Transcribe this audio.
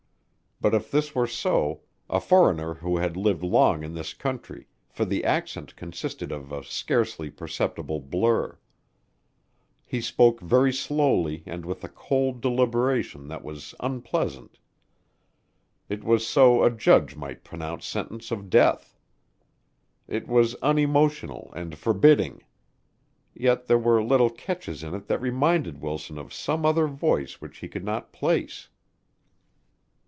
But if this were so, a foreigner who had lived long in this country, for the accent consisted of a scarcely perceptible blur. He spoke very slowly and with a cold deliberation that was unpleasant. It was so a judge might pronounce sentence of death. It was unemotional and forbidding. Yet there were little catches in it that reminded Wilson of some other voice which he could not place.